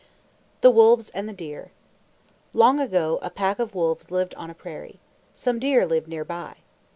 THE WOLVES AND THE DEER Long ago, a pack of wolves lived on a prairie. Some deer lived near by.